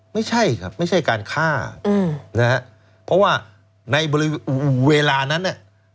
ไม่ใช่ครับไม่ใช่การฆ่านะฮะเพราะว่าในเวลานั้นเนี่ย